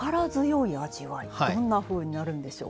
どんなふうになるんでしょう。